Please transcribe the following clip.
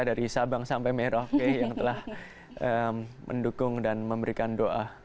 dari sabang sampai merauke yang telah mendukung dan memberikan doa